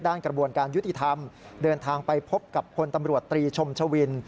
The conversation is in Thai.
กระบวนการยุติธรรมเดินทางไปพบกับพลตำรวจตรีชมชวิน